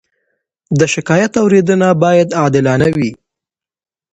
د شکایت اورېدنه باید عادلانه وي.